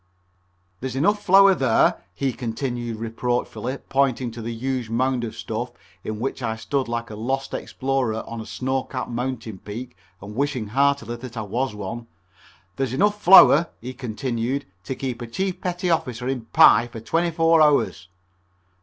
"There's enough flour there," he continued reproachfully, pointing to the huge mound of stuff in which I stood like a lost explorer on a snow capped mountain peak and wishing heartily that I was one, "there's enough flour," he continued, "to keep a chief petty officer in pie for twenty four hours."